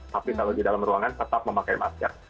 tapi kalau di dalam ruangan tetap memakai masker